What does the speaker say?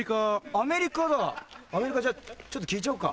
アメリカじゃちょっと聞いちゃおうか？